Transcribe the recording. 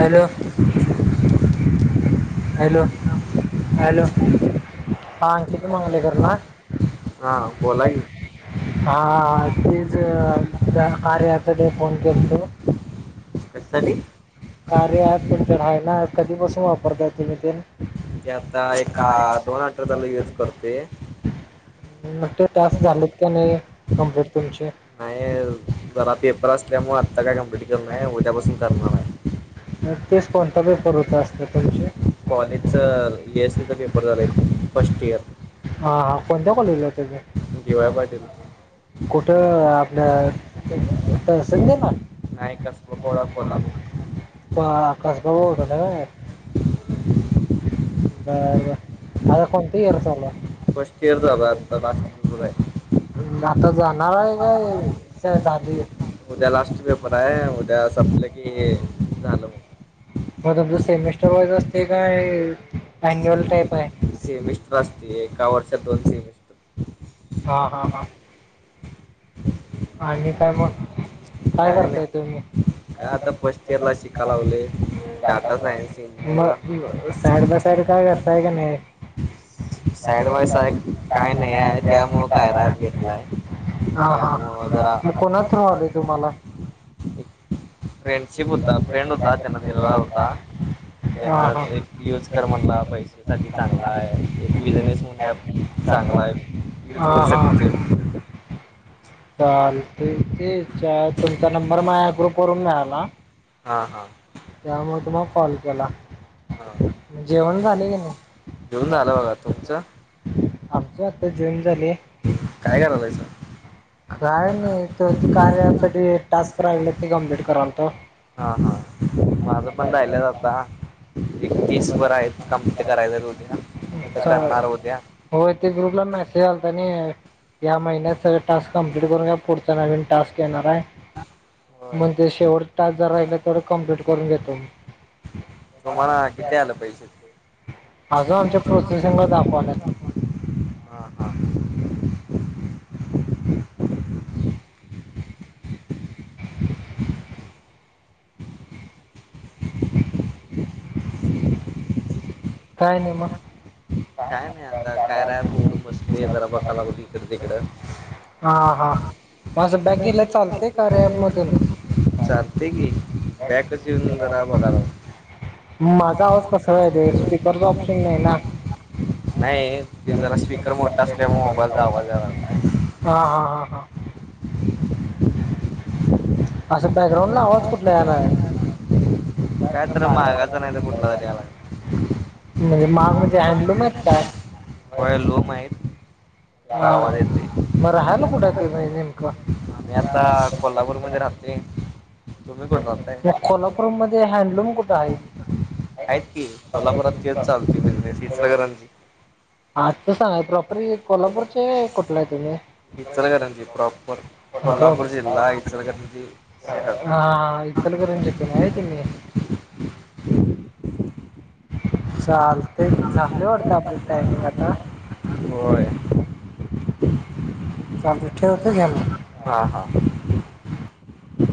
Hello, hello, hello हा किर्ती मंगलेकर ना हा तेच कार्याचा फोन. केलतो [unintelligible] कशासाठी कार्य अँप तुमच्या कडे आहे नका [unintelligible] कधदीपासून वापरता तुम्ही ते की आता एक दोन आठव झाला यूज करतो. मग ते टास्क झालेत का नाही कमप्लीट तुमची तेच कोणता पेपर होत असत तुमचे. हा हा कोणत्या कॉलेजला आहे तुम्ही कुठ आपल्या संधी ना आकाशबाबा [unintelligible] होठला का बर बर आता कोण एअर चला हाय. फस्ट इयर चालू आहे आता. उद्या लास्ट पेपर आहे. त्या सपलं की मगं तुमच सेमिस्टर वाईज असते का अन्युअल टाईप आहे? हा हा हा. आणि काय मगं? काय करताय तुम्ही मग साईड बाय साईड काय करताय का नाही साड बाय साईड काय नाही नाही त्यामुळे काय रात घेतलाय त्यामुळे जरा फ्रेंडशिप होता फ्रेंड होता त्यांना दिलेला होता. त्यांना एक यूज कर म्हणला पैसेसाठी चांगला आहे एक बिजनेस म्हणून अँप चांगला आहे यूज करू शकत [unintelligible] ते तुमचा नंबर माझ्या ग्रुपवरून मिळाला? हा हा. त्यामुळे तुम्हाला कॉल केला हा जेवण झालं बघा तुमचं,. आमचं आता [unintelligible] काय करालायसा? काय नाही त ते कार्यासाठी टास्क राहिल ते कम्प्लीट करालतो एक तीस वर आहेत कमप्लीट करायच उद्या आता करणार उद्या, या महिन्यात सगळ टास्क कंप्लीट करून घ्या पुढचा नवीन टास्क येणार आहे मगं‌ ते शेवट टास्क जर राहिल तर कंप्लीट करून घेतो हा [inaudible] काय नाही मगं. काय नाही आता काय कार्या बसले जरा बघलाग इकड तिकड चालते चालते की. बॅकच, [unintelligible] माझा आवाज कस आहे ते स्पीकरचा ऑप्शन नाही ना? नाही ते जरा स्पीकर मोठा असल्यामुळे मोबाईलचा आवाज यायलाय, असं बॅकग्राऊं आवाज कुठला यायलाय? म्हणजे माघ म्हणजे हँडलूम आहे का‌ काय? गावा येते आम्ही आता कोल्हापूरमध्ये राहतोय तुम्ही कोठ राहताय? आहेत की कोल्हापुरात चालते बिजनेस इचलकरंजी अच्छा! [inaudible] [inaudible] चालते चालले [unintelligible] वाटतं आप टाइम आता चालतंय ठेवतो आता होते जाल